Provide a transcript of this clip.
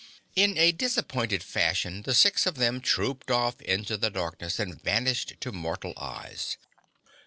In a disappointed fashion, the six of them trooped off into the darkness and vanished to mortal eyes.